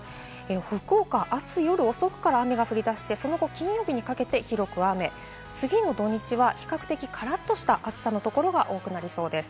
福岡、あす夜遅くから雨が降り出して金曜日にかけて広く雨、次の土日は比較的からっとした暑さのところが多くなりそうです。